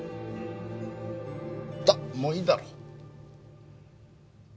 さあもういいだろう。